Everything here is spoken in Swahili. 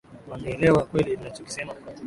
Wanielewa kweli ninachokisema?